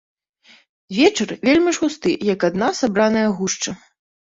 Вечар вельмі ж густы, як адна сабраная гушча.